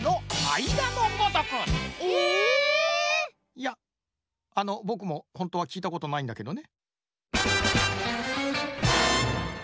⁉いやあのぼくもほんとはきいたことないんだけどね。